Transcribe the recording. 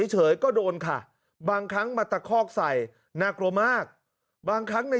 เฉยก็โดนค่ะบางครั้งมาตะคอกใส่น่ากลัวมากบางครั้งใน